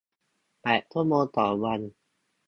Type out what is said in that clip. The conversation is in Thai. แปดชั่วโมงต่อวัน